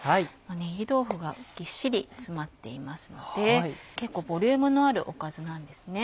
炒り豆腐がぎっしり詰まっていますので結構ボリュームのあるおかずなんですね。